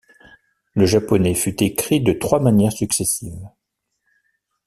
Le japonais fut écrit de trois manières successives.